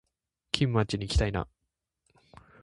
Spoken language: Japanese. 金町にいきたいな